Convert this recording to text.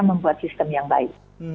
membuat sistem yang baik